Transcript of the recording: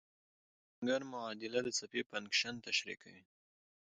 د شروډنګر معادله د څپې فنکشن تشریح کوي.